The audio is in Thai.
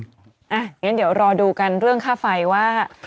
อย่างนั้นเดี๋ยวรอดูกันเรื่องค่าไฟว่า